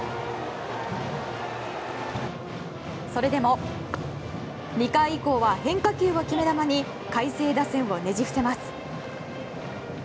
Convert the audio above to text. それでも２回以降は変化球を決め球に海星打線をねじ伏せます。